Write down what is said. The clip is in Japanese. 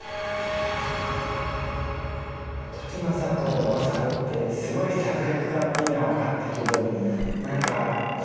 時政と政子ってすごい策略家っていうのは分かったけど何か怖いよね。